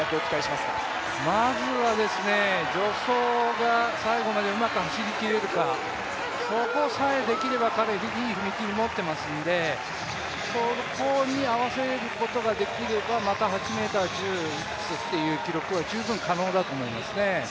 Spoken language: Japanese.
まずは助走が最後までうまく走りきれるか、そこさえできれば、彼、いい踏み切り持ってますのでそこに合わせることができればまた８ｍ十いくつというのは十分可能だと思いますね。